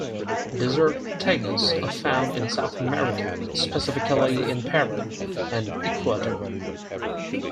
Desert tegus are found in South America, specifically in Peru and Ecuador.